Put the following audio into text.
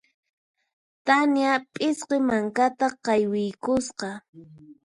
Tania p'isqi mankata qaywiykusqa.